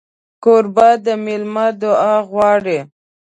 کوربه د مېلمه دعا غواړي.